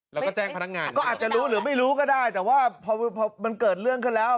แล้วก็แจ้งพนักงานก็อาจจะรู้หรือไม่รู้ก็ได้แต่ว่าพอมันเกิดเรื่องขึ้นแล้ว